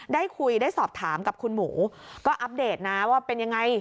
ได้คุยได้สอบถามกับคุณหมูก็อัปเดตนะว่าเป็นยังไง